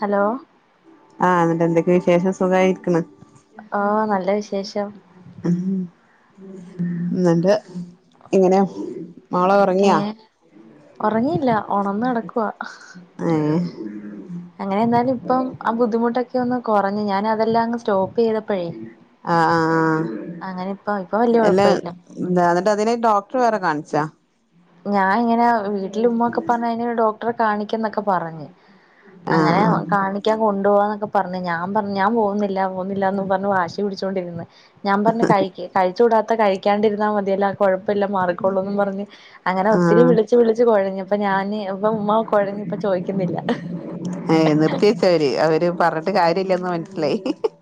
Hello ആഹ് ന്നിട്ട് എന്തൊക്കെ വിശേഷം സുഖായിരിക്കണ് ആഹാ നല്ല വിശേഷം ഉം ന്നിട്ട് എങ്ങനെയ ഏർ ഉറങ്ങിയില്ല ഓണന്ന് കടക്കുവാ ഏഹ് അങ്ങനെ എ എന്നാലും ഇപ്പം ആ ബുദ്ധിമുട്ടൊക്കെ ഒന്ന് കുറഞ്ഞു ഞാന അതല്ലാം അങ്സ്‌റ്റോപ്പ് ചെയ്ത ആഹാ ആഹ് ആഹാ അങ്ങനെ ഇപ്പ ഇപ്പൊ വലിയ എല്ല കുഴപ്പമില്ല എന്താ ന്നിട്ട് അതിന ഡോക്ടർ വേറെ കാണിച്ചാ ഞാൻ ഇങ്ങനെ വീട്ടിലമ്മൊക്കെ പറഞ്ഞ അ ഒരു ഡോക്ടറെ കാണിക്കന്നൊക്കെ പറഞ്ഞഞ് അങ്ങനെ ആഹ് കാണിക്കാൻ കൊണ്ടു പോവാന്നൊക്കെ പറഞ്ഞു ഞാൻ പറഞ്ഞ് ഞാൻ പോകുന്നി ഇല്ല പോകുന്നിലാന്നും പറഞ്ഞ് വാശി പിടിച്ചുകൊണ്ടിരുന്ന് ഞാൻ പറഞ്ഞു കഴിക്ക് കഴിച്ചൂടാത്ത കഴി കണ്ടിരുന്നാൽ മതിയല്ലോ ആ കുഴപ്പല്ല മാറിക്കൊള്ളൂ പറഞ്ഞ് അങ്ങനെ ആഹ് ഒത്തിരി വിളി ആഹ് വിളിച്ച് വിളിച്ച് കുഴഞ്ഞ് അപ്പൊ ഞാന് ഇപ്പ ഇമ്മ കുഴഞ്ഞ് ഇപ്പൊ ചോദിക്കുന്നില്ല ഏയ നിർത്തിവെച്ചോ അവര് അവര് പറഞ്ഞിട്ട് കാര്യമില്ലന്ന് മനസ്സിലായി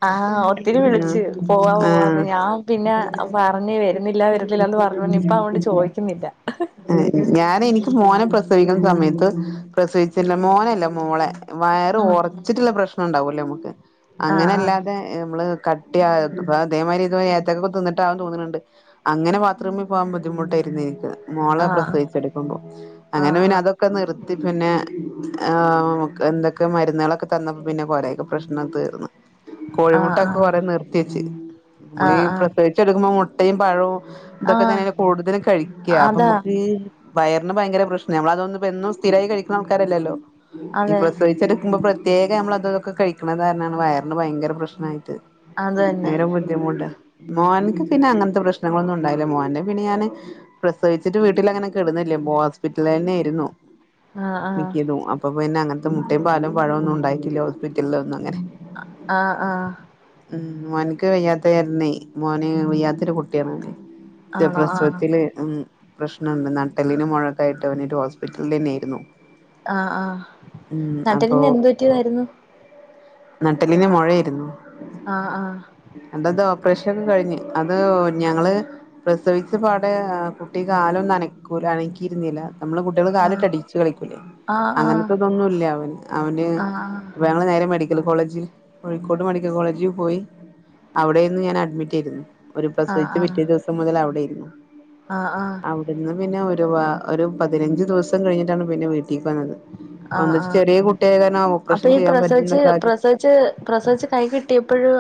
ആഹ് ഒത്തിരി ആഹ് വിളിച്ച് പോവാ പോവാന്ന് ആഹ് ഞാൻ പിന്നെ പറഞ്ഞ് വരുന്നില്ല വരു ല്ല പറഞ്ഞു ഇനിപ്പ അവൊണ്ട് ചോയിക്കുന്നില്ല അ ഞാന് എനിക്ക് മോനെ പ്രസവിക്കുന്ന സമയത്ത് പ്രസവിച്ചില്ല മോനല്ല മോളെ വയറ് ഉം ഓറച്ചിട്ടുള്ള പ്രശ്നം ഉണ്ടാവല്ലോ നമുക്ക് ആഹ് അങ്ങനെ ആഹ് അല്ലാതെ നമ്മള് ക [unintelligible] അതേമാതിരി ഇതേ മാതിരി വേദനക്കെ തിന്നിട്ടാണെന്ന് തോന്നുന്നുണ്ട് അങ്ങനെ ബാത്റൂമിൽ പോവാൻ ബുദ്ധിമുട്ടായിരുന്നു എനിക്ക് മോളെ പ്രസവിച്ചെടുക്കുമ്പോ ആഹ് അങ്ങനെ ആഹ് പിന്നെ അതൊക്കെ നിർത്തി പിന്നെ എ മോൾക് എന്തൊക്കെ മരുന്നുകളൊക്കെ തന്നപ്പോ പിന്നെ കൊറെയൊക്കെ പ്രശ്നം തീർന്ന് ആഹ് കോഴിമുട്ടൊക്കെ ആഹ് കൊറെ നിർത്തി വെച്ച് നമ്മള് ആഹ് ഈ ആഹ് പ്രസവിച്ചു കിടക്കുമ്പോ മുട്ടയും പഴവും ഇതൊക്കെ ആഹ് തന്നെയല്ലേ കൂടുതലും കഴിക്ക അപ്പൊ അതാ നമുക്ക് വയറിന് ഭയങ്കര പ്രശ്ന നമ്മൾ അതൊന്നും ഇപ്പോ എന്നും സ്ഥിരായി കഴിക്കുന്ന ആൾക്കാരല്ലല്ലോ ഈ അതെ പ്രസവിച്ച് കിടുക്കുമ്പോ പ്രത്യേക നമ്മൾ അത അതൊക്കെ കഴിക്കണ കാരണാണ് വയറിന് ഭയങ്കര പ്രശ്നായിട്ട് അത് തന്നെ [unintelligible] ബുദ്ധിമുട്ട മോൻക്ക് പിന്നെ അങ്ങനത്തെ പ്രശ്നങ്ങളൊന്നും ഉണ്ടായില്ല മോനെ പിന്നെ ഞാന് പ്രസവിച്ചിട്ട് വീട്ടിൽ അങ്ങനെ കിടന്നില്ലേ ഹോസ്പിറ്റലിൽ തന്നെ ആയിരുന്നു ആഹ് ആഹ് മിക്കതും അപ്പൊ പിന്നെ അങ്ങനത്തെ മുട്ടയും പാലും പഴമൊന്നും ഉണ്ടായിക്കില്ല പ്പെട്ടില്ല ഒന്നും അങ്ങനെ. ആഹ് ആഹ് ഉം മോന്ക്ക് വയ്യാത്ത കാരണെ മോന് വയ്യാത്തൊരു കുട്ടിയാണോന്. ഇൻ്റെ ആണോ ആഹ് പ്രസവത്തില് ഉം പ്രശ്നണ്ട് നട്ടെല്ലിന് മുഴക്കായിട്ട് അവനൊരു ഹോസ്പിറ്റലിൽ തന്നെ ആയിരുന്നു. ആഹ് ആഹ് അപ്പൊ നട്ടെല്ലിന് എന്ത് പറ്റിയതായിരുന്നു? നട്ടെല്ലിന് മൊഴേരുന്നു. ആഹ് ആഹ് എന്താത് ഓപ്പറേഷനൊക്കെ കഴിഞ്ഞ് അത് ഞങ്ങള് പ്രസവിച്ച പാടെ കുട്ടി കാല് ഒന്നും അനക്കൂല അനക്കിയിരുന്നില്ല നമ്മള് കു കുട്ടികള് ആഹ് കാലിട്ട് അടിച്ചു കളിക്കൂലേ ആഹ് ആഹ് അങ്ങ ഇപ്പോ ഇതൊന്നുല്ല അവൻ അവന് ആഹ് പ്പ ഞങ്ങള് നേരെ മെഡിക്കൽ കോളേജിൽ കോഴിക്കോട് മെഡിക്കൽ കോളേജിൽ പോയി അവിടെ ആയിരുന്നു ഞാൻ അഡ്മിറ്റ് ആയിരുന്നു. ഒരു ആഹ് ആഹ് പ്രസവിച്ച പിറ്റേ ആഹ് ദിവസം മുതൽ അവിടേരുന്നു. ആഹ് ആഹ് ടെന്ന് പിന്നെ ഒരുവാ ഒരു പതിനഞ്ച് ദിവസം കഴിഞ്ഞിട്ടാണ് പിന്നെ വീട്ടിക്ക് വന്നത്. ഓൻ ആഹ് ന്താച്ച ആഹ് ചെറിയ കുട്ടിയായ കാരണം ഓപ്പറേഷൻ ചെയ്യാൻ പറ്റുന്ന സാഹചര്യ ഇച്ച് പ്രസദിച്ച് കൈ കിട്ടിയപ്പോഴും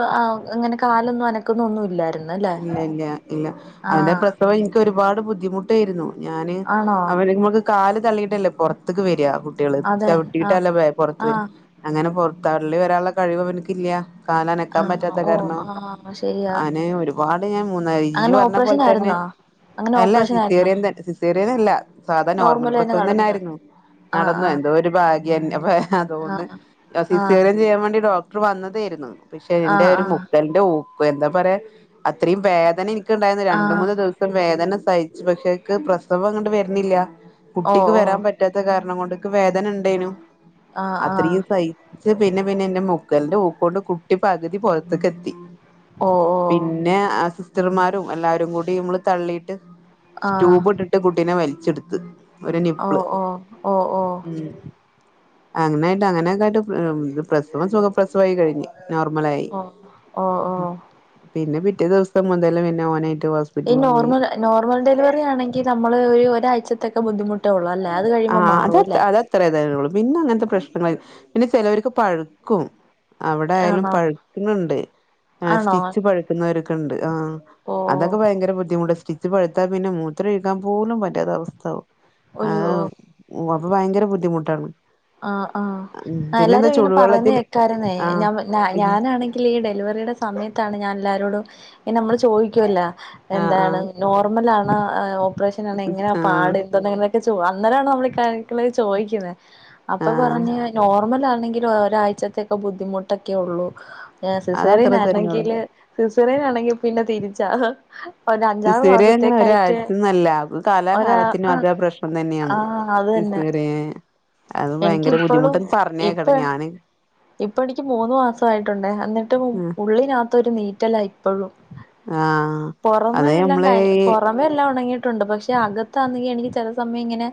അങ്ങനെ കാലൊന്നും അനക്കുന്ന ഒന്നും ഇല്ലായിരു ഇല്ല്യല്ല ഇല്ല അവന്റെ പ്രസവം എനിക്ക് ഒരുപാട് ബുദ്ധിമു ട്ടായിരുന്നു ഞാന് ആണോ അവര് നമ്മക്ക് കാല് തള്ളിയിട്ടല്ലേ പുറത്തക്ക് വരിക കു കുട്ടികള് അതെ ആഹ് ചവിട്ടിയിട്ടല്ലേ പുറത്ത് ആഹ് വരും അങ്ങനെ പുറത്ത് തള്ളി വരാനുള്ള കഴിവ് അവനിക്കില്ല. കാല് അനക്കാൻ ആഹ് പറ്റാത്ത ഓ കാരണം ആഹ് ശരിയാ അങ്ങനെ ഒരു ണ്ട് ഞാൻ മൂന്ന ഇജ് അങ്ങനെ പറഞ്ഞ ഓപ്പറേഷൻ പോലെ തന്നെ ആയിരുന്നോ അങ്ങനെ അല്ല ഓപ്പറേഷൻ ആയിരുന്നോ സിസേറിയൻ തന്നെ സിസേറിയൻ അല്ല സാധാ നോർമൽ തന്നെ പ്രസവം നടന്ന് തന്നാരുന്നു. ആഹ് നടന്നു ആഹ് എന്തോ ഒരു ഭാഗ്യം എൻ അപ്പൊ അതുകൊണ്ട് ആഹ് സിസേറിയൻ ചെയ്യാൻ വേണ്ടി ഡോ ക്ടർ വന്നതായിരുന്നു. പക്ഷെ എന്റെ ആഹ് ഒരു ആഹ് മുക്കലന്റെ ഊക്ക് എന്താ പറയാ അത്രയും വേദന എനി ഇക്ക്ണ്ടായിരുന്നു ആഹ് രണ്ട് ആഹ് മൂന്ന് ദിവസം വേദന സഹിച്ചു പക്ഷെക്ക് പ്രസവം അങ്ങോട്ട് വര്ണില്ല്യ. ഓ കുട്ടിക്ക് ഓ വരാൻ പറ്റാത്ത കാരണം കൊണ്ട് ഇക്ക് വേദന ഓ ഉണ്ടേനു ആഹ് ആഹ് അത്രയും സ ഹിച്ച് പിന്നെ പിന്നെ എൻ്റെ മുക്കലിന്റെ ഊക്കൊണ്ട് കുട്ടി പകുതി പുറത്തേക്കെത്തി. ഓഹ് ഓഹ് പിന്നെ ആ സിസ്റ്റർമാരും എല്ലാരും കൂടി നമ്മള് തള്ളിട്ട് ആഹ് സ്റ്റൂബ് ഇട്ട ട്ട് കുട്ടീനെ വലിച്ചെടുത്ത് ഒരു ഓ നിപ്പ്ള്. ഓ ഓ ഓ ഉം അങ്ങനായിട്ട് അങ്ങനെയൊക്കായിട്ട് മ് പ്രസവം സുഖ പ്രസവായി കഴിഞ്ഞ്. നോർമലായി. ഓ ഓ ഓ പിന്നെ പിറ്റേ ദിവസം മുതല് പിന്നെ ഓനായിട്ട് ഹോസ് ഈ നോർമൽ നോർമൽ ഡെലിവറി ആണെങ്കി നമ്മള് ഒരു ഒരാഴ്ചത്തക്കെ ബുദ്ധിമു ട്ടേ ഒള്ളല്ലേ അത്കഴിയുമ്പോ മാറും അല്ലേ? ഇത്രതെ ഉള്ളൂ പിന്നെ അങ്ങനത്തെ പ്രശ്നങ്ങ പിന്നെ ചിലർക്ക് പഴുക്കും. അവിടെ ആയാലും ആണോ പഴ്ക്ക്ണിണ്ട്. ഏഹ് ആണോ സ്റ്റിച്ച് പഴുക്കുന്നവരൊക്കെ ഉണ്ട് ആഹ് ഓ അതൊക്കെ ഭയങ്കര ബുദ്ധിമുട്ട് സ്റ്റി ച്ച് പഴ്ത്താ പിന്നെ മൂത്രം ഒഴിക്കാൻ പോലും പറ്റാത്ത അവസ്ഥാവും അയ്യോ ആഹ് ഓഹ് അപ്പൊ ഭയങ്കര ബുദ്ധിമുട്ടാണ്. ആഹ് ഉം ആഹ് പിന്നെന്താ എല്ലാരും ഇങ്ങനെ പറയുന്ന ചൂടുവെള്ളത്തിൽ കേക്കാരുന്നേ ഞ ആഹ് ആഹ് ഞാനാണെങ്കി- ലീ ഡെലിവറിയുടെ സമയത്താണ് ഞാൻ എല്ലാരോടും ഇങ്നെ മ്മൾ ചോയ്ക്ക്യോല്ലാ. എന്താണ് ആഹ് നോർമലാണോ ഓപ്പറേഷൻ ആണ് എങ്ങനാ ആഹ് പാട് ഇപ്പൊ നിങ്ങള് - [unintelligible] അന്നരാണ് നമ്മള് ഈ കാര്യങ്ങള് ചോദിക്കുന്നെ അപ്പൊ ആഹ് പറഞ്ഞ് നോർമലാണെങ്കി ഒരാഴ്ചത്തക്കെ ബുദ്ധിമുട്ടൊക്കെ ഉള്ളൂ. സിസേറിയ അതത്ര തന്നെള്ളൂ നാണെങ്കില്. സിസേറിയനാണെങ്കി പിന്നെ തിരിച്ചാ ഒരു അഞ്ചാറ് സിയേറിയനങ്ങനെ മാസത്തേക്കായിട്ട് ഒരാഴ്ച്യൊന്നല്ല കാലാ ഒരാ കാലത്തിനും ആഹ് അതാ പ്രശ് ഇപ്പം തന്നെയാണ് ആഹ് അത് തന്നെ സിസേറിയൻ അത് ഭയങ്കര എനിക്കിപ്പോഴും ബുദ്ധിമുട്ടന്ന് ഇപ്പ പറഞ്ഞേക്കട്ട ഞാന് ഇപ്പൊ എണിക്ക് മൂന്ന് മാസമായിട്ടുണ്ട് എന്നിട്ടും ഉം ഉള്ളിനകത്ത് ഒരു നീറ്റലാ ഇപ്പഴും. ആഹ് പൊറമെ അത് എല്ലാം നമ്മള് കയന് ഈ പൊറം യെല്ലാം ഉണങ്ങിയിട്ടുണ്ട് പക്ഷെ അകത്താന്നെങ്കി എനിക്ക് ചില സമയം ഇങ്ങനെ.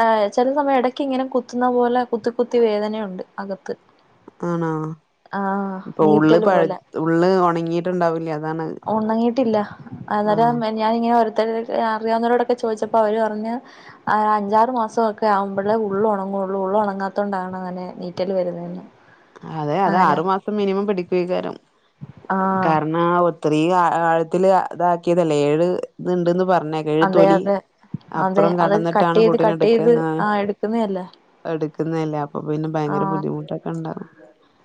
ആ ചില സമയം ഇടക്ക് ഇങ്ങനെ കുത്തുന്ന പോലെ കുത്തി കുത്തി വേദനയുണ്ട് അകത്ത്. ആണോ ആഹ് ഉള്ള് നീറ്റല് പഴ് പോലെ ഉള്ള് ഉണങ്ങിട്ടുണ്ടാവില്ല അതാണ് ഉണങ്ങിയിട്ടില്ല അന്നേരം ആഹ് ഞാനിങ്ങനെ ഓരോത്തർ അറിയാവുന്നവരോടൊക്കെ ചോദിച്ചപ്പോ അവര് പഞ്ഞഞ്. അഞ്ചാറ് മാസമൊക്കെ ആവുമ്പോഴേ ഉള്ളു ഉണങ്ങുള്ളൂ ഉള് ഉണങ്ങാത്തത് കൊണ്ടാണ് അങ്ങനെ നീറ്റല് വരുന്നതെന്ന്. അതെ അത് അങ്ങനെ ആറു മാസം മിനിമം പിടിക്കക്കാരം ആഹ് കാരണാ ഒ ത്രീ ആഴത്തില് ഇതാക്കിയതല്ലേ ഏഴ് ഇത്ണ്ട്ന്ന് പറഞ്ഞേക്ക ഏഴു അതെ തോലി. അതെ അതെ അപ്പറം അത് കട്ട് കടന്നിട്ടാണ് ചെയ്ത് കുട്ടീന കട്ട് ചെയ്ത് എടുക്കന്ന്. ആ എടുക്കുന്നയല്ലേ എടുക്കുന്നല്ലേ അപ്പൊ പിന്നെ ഭയങ്കര ആഹ് ബുദ്ധിമുട്ടൊക്കെ ഇണ്ടാകും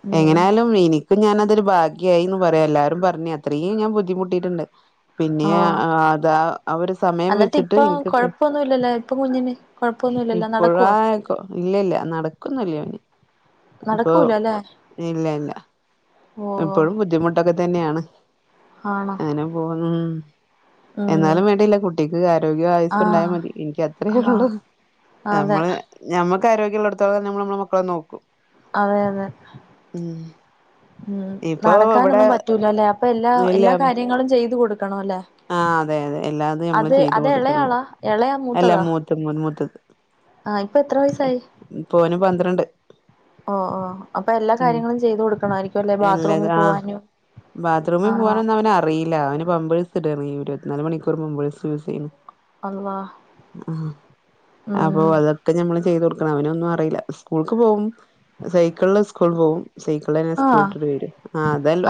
ഉം എങ്ങനെയാലും എനക്കും ഞാനതൊരു ഭാഗ്യായിന്ന് പറയാം. എല്ലാരും പറഞ്ഞ്, അത്രയും ഞാൻ ബുദ്ധി മുട്ടിട്ടുണ്ട്. പിന്നെ ആഹ് ആതാ ആ ഒരു സമയം എന്നിട്ട് വെച്ചിട്ട് ഇപ്പൊ എനിക്ക്. കൊഴപ്പംന്നുല്ല. ഇപ്പോഴ കൊ ഇല്ല ഇല്ല നടകൊനില്ല ഓൻ അപ്പൊ നടക്കൂല അല്ലേ ഇല്ല ഇല്ല ഓ അപ്പോഴും ബുദ്ധിമുട്ടൊക്കെ തന്നെയാണ് ആണോ അങ്ങനെ പോന്നു. ഉം എന്നാലും വേണ്ടയില്ല കുട്ടിക്ക് ആരോഗ്യ ആയുസ്ണ്ടായാൽ ആഹ് മതി എനിക്ക് അത്രയേ ആഹ് ഉള്ളൂ. അതെ നമ്മള് ഞമ്മക്ക് ആരോഗ്യള്ളടുത്തളം നമ്മള് നമ്മള മക്കളെ നോക്കും. അതെ അതെ ഉം ഉം ഇപ്പൊ ഇവിടെ നടക്കാനൊന്നും പറ്റൂല അല്ലെ അപ്പൊ എല്ലാ എല്ലാ കാര്യങ്ങളും ചെയ്ത് കൊടുക്കണല്ലെ. ആഹ് അതെ അതെ എല്ലാതും ഞമ്മള് ചെയ്തു കൊടുക്കണം എളയാളാ എളയാ എല്ല മൂത്തതാ മൂത്തമോൻ മൂത്തത്. ആഹ് ഇപ്പൊ എത്ര വയസായി ഇപ്പോന് പന്ത്രണ്ട് ഓ ഓ. അപ്പൊ എല്ലാ ഉം കാര്യങ്ങളും ചെയ്ത് കൊടുക്കണ ആരിക്കും അല്ലെ ബാത്റൂമി എല്ലത് ആഹ് പോവാനും ആ. ബാത്റൂമിൽ പോകാനൊന്നും അവന് അറിയില്ല അവന് പമ്പേഴ്സ് ഇടാണ് ഒരുപത്തിനാല് മണിക്കൂർ പമ്പേഴ്സ് യൂസ് ചെയ്യും. അള്ളാ ആഹ് അപ്പൊ ഉം അത് ഒക്കെ ഞമ്മള് ചെയ്ത് കൊടുക്കണം അവനൊന്നും അറിയില്ല സ്കൂൾക്ക് പോവും സൈക്കിളിൽ സ്കൂൾ പോകും. സൈക്കിളില്ലെന്നെ സ്കൂൾ ആഹ് വിട്ട് വരും ആ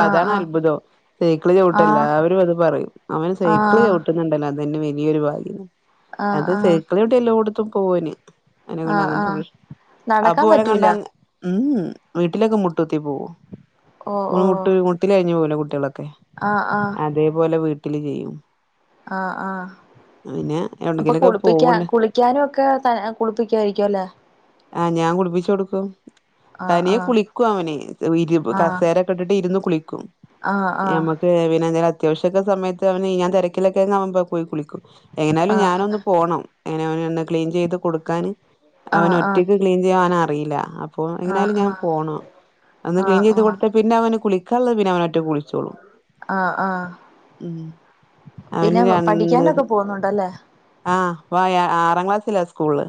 ആഹ് അതാണ് ആഹ് അത്ഭുതം. സൈക്കിള് ചവിട്ടും ആഹ് എല്ലാവരും അത് പറയും അവന് സൈക്കിള് ആഹ് ചവിട്ടുന്നുണ്ടല്ലോ. അതന്നെ വലിയൊരു ഭാഗ്യം ആഹ് അത് ആഹ് സെക്കിള് ചവിട്ടി എല്ലാടത്തും പോവോന്. അവനെ കൊണ്ട ആഹ് അങ്ങനത്തെ ആഹ് പ്രശ് അപ്പോ നടക്കാൻ ഓലങ്ങണ്ട പറ്റൂല ഉം ഉം വീട്ടിലൊക്കെ മുട്ട്ക്കുത്തി പോവും ഓ ഒന് ഓ മുട്ട് മുട്ടില കഴഞ്ഞഞ് പോകല്ലോ കുട്ടികളൊക്കെ ആഹ് ആഹ് അതേപോലെ വീട്ടില് ചെയ്യും ആഹ് ആഹ് പിന്നെ അപ്പൊ എവിടെങ്കിലൊക്കെ കുളിപ്പിക്ക പോവ്ണ്ട് കുളിക്കാനും ഒക്കെ ത കുളിപ്പിക്കായിരിക്കുവെല്ലേ ആഹ് ഞാൻ കുളിപ്പിച്ച് കൊടുക്കും ആഹ് തനിയെ ആഹ് കുളിക്കും അവനെ ഇരു കസേരൊക്കെ ഇട്ടിട്ട് ഇരുന്ന് കുളിക്കും ആഹ് ആഹ് ഏഹ് പിന്നെ ന്താലും അത്യാവശ്യംക്കെ സമയത്ത്ന് ഞാൻ തിരക്കൊക്കെവുമ്പ പോയി കുളിക്കും എങ്ങനാലും ആഹ് ഞാനൊന് പോണം അങ്ങനെ അവ ക്ലീൻ ചെയ്ത് കൊടുക്കൻ അവന് ആഹ് ആഹ് ഒറ്റയ്ക്ക് ക്ലീൻ ചെയ്യാനറിയില്ല അപ്പോ ആഹ് എങ്ങനാലും ആഹ് ആഹ് ഞാൻ പോകണം അന്ന് ക്ലീൻ ആഹ് ചെയ്ത് ആഹ് കൊടുത്ത പിന്നെ അവന് കുളിക്കാനുള്ളത് പിന്നെ അവന ഒറ്റെ കുളിച്ചോളൂ ആഹ് ആഹ് ഉം അവന് പിന്നെ രണ്ട് പഠിക്കാനൊക്കെ പോകുന്നുണ്ടല്ലേ ആഹ് വ ആറാം ക്ലാസ്സിലാ സ്കൂള്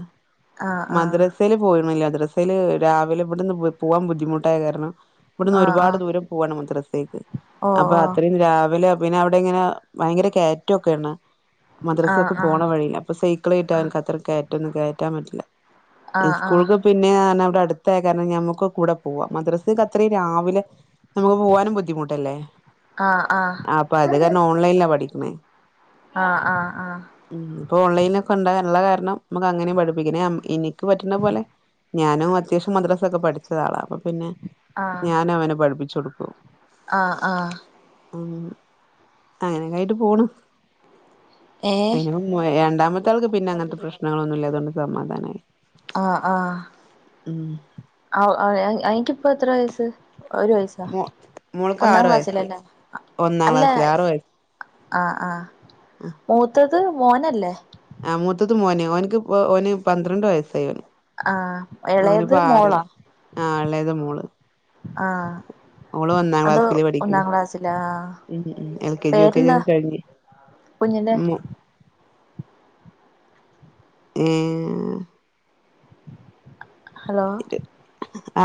ആഹ് ആഹ് മദ്രസയില് പോയിണില്ല മദ്രസയില് രാവിലെ ഇവിടുന്ന് പോവാൻ ബുദ്ധിമുട്ടായ കാരണം ഇവിടുന്ന് ആഹ് ഒരുപാട് ആഹ് ദൂരം പോവണ്ട് മദ്രസേക്ക് ഓ അപ്പൊ ഓ അത്രയും രാവിലെ പിന്നെ അവിടെ ഇങ്ങനെ ഭയങ്കര കേറ്റം ഒക്കെയാണ് ആഹ് മദ്രാസൊക്കെ ആഹ് പോണ വഴി അപ്പൊ സൈ ക്ലേറ്റ് അവനക്ക് അത്ര കെയറ്റൊന്നും കെയറ്റാൻ പറ്റില്ല ആഹ് ആഹ് സ്കൂൾക്ക് പിന്നൊന്ന്റഞ്ഞ ഇവിടെ അടുത്തായ കാരണം മ്മുക്ക് കൂടെ പോവാ മദ്രസക്ക് അത്രയും രാവിലെ നമുക്ക് പോകാനും ബുദ്ധിമുട്ടല്ലേ ആഹ് അപ്പൊ അത് കാരണം ഓൺലൈലാ പഠിക്കണേ ആഹ് ആഹ് ഉം ഇപ്പ ഓൺലൈൽ ഒക്കെ ഇണ്ട ഇള്ള കാരണം നമുക്കങ്ങനേം പഠിപ്പിക്കനേ ഇനിക്ക് പറ്റുണ പോലെ. ഞാനും അത്യാവശ്യം മദ്രസൊക്കെ പഠിച്ചത ആളാ അപ്പോ പിന്നെ ആഹ് ഞാനവനെ പഠിപ്പിച്ചോടുക്കും ആഹ് ആഹ് ഉം അങ്ങനെയൊക്കെയിട്ട് പോണു ഏഹ് അയിനേ രണ്ടാമത്തെ ആൾക്ക് പിന്നെ അങ്ങൻത്തെ പ്രശ്നങ്ങളൊന്നുല്ലാത്തോണ്ട് സമാധാനായി. ആഹ് ആഹ് ഉം ആഹ് ആഹ് അനിക്കിപ്പോ എത്ര വയസ്സ്? ഒരു വയസ്സ് ദാ മോ മോൾക്ക് ഒന്നാം ആറ് വയസ്സ് ക്ലാസ്സിലല്ലേ? ഒന്നാം അല്ലേ? ക്ലാസ്സില് ആറ് വയസ്സ് ആഹ് ആഹ് മൂത്തത് മോനല്ലേ? ആഹ് മൂത്തത് മോന് ഓന്ക്ക് പ്പോ ഓന് പന്ത്രണ്ട് വയസ്സായി ഓന് ആഹ് എളയത് ഓനിപ്പോ മോളാ ആറില് ആ ഇളയത് മോള് ആഹ് ഓള് ഒന്നാം അത് ക്ലാസ്സില് പഠിക്കണ് ഒന്നാം ക്ലാസ്സിലാ ഉം ഉം L K G U K G പേരെന്താ? ഒക്കെ കഴിഞ്ഞ് കുഞ്ഞിന്റെ? മോ ഏഹ് ഹലോ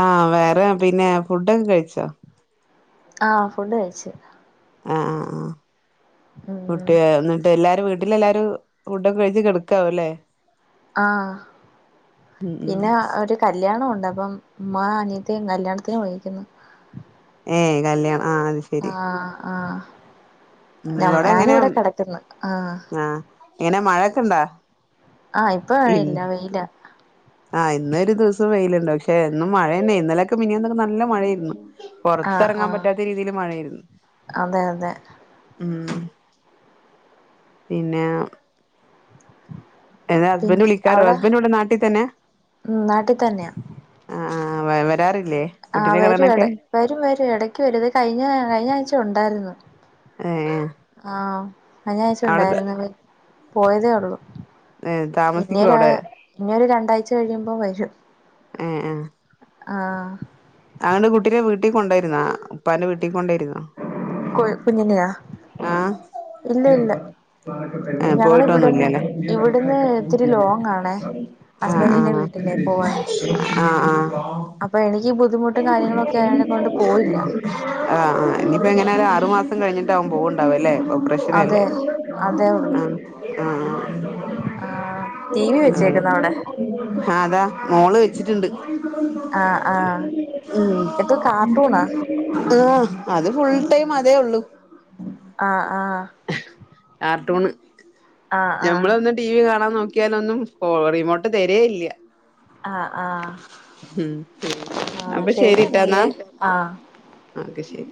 ആഹ് വേറെ പിന്നെ ഫുഡൊക്കെ കഴിച്ചോ? ആഹ് ഫുഡ് കയിച്ച് ആഹ് ആഹ് ആഹ് ഉം കുട്ടിയായോന്ന് എല്ലാരും വീട്ടിലെല്ലാരും ഫുഡോക്കെ കയിച്ചു കെടുക്കാവുംല്ലേ? ആഹ് ഉം ഉം പിന്നെ ഒരു കല്യാണമുണ്ട് അപ്പം ഉമ്മാ അനി ത്തീം കല്യാണത്തിന് പോയേക്കുന്നു ഏയഹ് കല്യാണം ആഹ് അത് ശ ആഹ് ആഹ് ഉം ഞാ ഇവിടെ എങ്ങനെ ഞാനിവിടെ കെടക്കുന്ന് ആഹ് എങ്ങനെ മഴൊക്കെണ്ടാ? ആഹ് ഇപ്പ ഇൻ മഴല്ല്യ. വെയിലാ ആഹ് ഇന്ന ഒരു ദിവസം വെയിലുണ്ട്. പക്ഷേ എന്നും മഴന്നെ ഇന്നലൊക്കെ മിഞ്ഞാന്നൊക്കെ നല്ല മഴേരുന്നു. ആഹ് പൊറത്തെറങ്ങാൻ ആഹ് പറ്റാത്ത രീതില് മഴേർന്നു. അതെ അതെ ഉം. പിന്നേ പിന്നേ ഹസ്ബൻഡറ് പിന്നെ വിളിക്കാറോ? അവിടെ ഹസ്ബൻഡ് ഇവിടെ നാട്ടിതന്നേ? ഉം നാട്ടിൽ തന്നെയാ ആഹ് ആഹ് വരാറില്ലേ? ആഹ് കുട്ടിനെ വരും എട കാണാനൊക്കെ വരും വരും എടയ്ക്ക് വരും. ദാ കഴിഞ്ഞ കഴിഞ്ഞാഴ്ച ഒണ്ടായിരുന്നു. ആഹ് ഏഹ് ആഹ് കഴിഞ്ഞാഴ്ച അവിടെ ഉണ്ടായിരുന്ന് [unintelligible] പോയതേ ഉള്ളു. ഏഹ് താമസിക്കുവോ ഇഞ്ഞിയേ അവിടെ ഇഞ്ഞിയൊരു രണ്ടാഴ്ച കഴിയുമ്പോ വരും. ഏഹ് ആഹ് ആഹ് അങ്ങട് കുട്ടീനേ വീട്ടി കൊണ്ടോയിരുന്നോ? ഉപ്പാന്റെ വീട്ടിക്ക് കൊണ്ടോയിരുന്നോ? കോൾ കുഞ്ഞിനെയോ? ആഹ് ആഹ് ഞങ്ങള് ഇവിടുന്ന് ഇവിടുന്ന് പോയിട്ടൊന്നുല്ലല്ലേ? ഇത്തിരി ലോങ് ആണേ ആഹ് ഹസ്ബൻഡിന്റെ വീട്ടിലേ ആഹ് പോവാന് ആഹ് ആഹ് ത്ത കാര്യങ്ങളൊക്കെ അയേനേക്കൊണ്ട് പോയില്ല. ആഹ് ആഹ് ഇനീപ്പോ എങ്ങനെ ഒരാറുമാസം കഴിഞ്ഞിട്ടാവും പൂവുണ്ടാവ്വാ അല്ലേ? ഓപ്പറേഷനല്ലേ? അതെ അതേ ഉള്ളു ആഹ് ആഹ് ആഹ് ടി വി ആഹ് വെച്ചേക്കുന്ന അവിടെ അങ്ങനെ ആഹ് അതാ മോള് വെച്ചിട്ട്ണ്ട്. ആഹ് ആഹ് ഉം എന്തോ കാർട്ടൂണാ ആഹ് അത് ഫുൾ ടൈം അതേ ഉള്ളൂ. ആഹ് ആഹ് ഹ് കാർട്ടൂണ് ആഹ് ഞമ്മള് ആഹ് ഒന്ന് ടി വി കാണാൻ നോക്കിയാലൊന്നും ഓ റിമോട്ട് തരേ ഇല്യ. ആഹ് ആഹ്, ഉം ആ ശരി എന്നാലെ. ആഹ്. അത് ശരി.